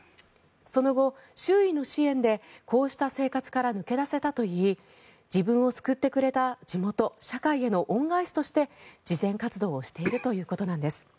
その後、周囲の支援でこうした生活から抜け出せたといい自分を救ってくれた地元社会への恩返しとして慈善活動をしているということなんです。